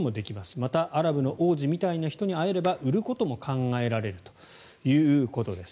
またアラブの王子みたいな人に会えれば売ることも考えられるということです。